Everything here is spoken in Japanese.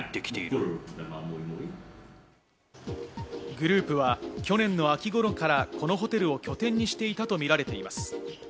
グループは去年の秋頃からこのホテルを拠点にしていたとみられています。